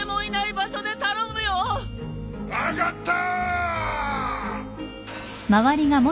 分かった！